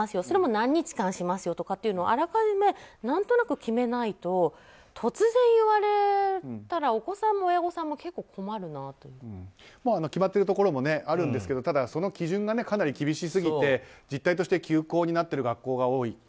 それも何日間しますよというのをあらかじめ何となく決めないと突然言われたらお子さんも親御さんも決まってるところもあるんですけどその基準がかなり厳しすぎて実態として休校になってる学校が多い。